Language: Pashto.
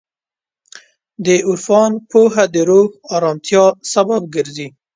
د عرفان پوهه د روح ارامتیا سبب ګرځي.